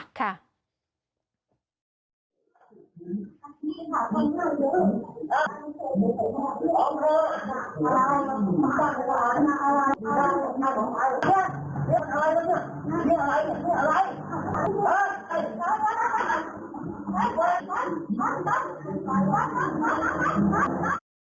นี่อะไรนี่อะไร